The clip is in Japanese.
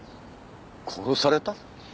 殺された？